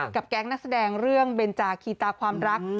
แก๊งนักแสดงเรื่องเบนจาคีตาความรัก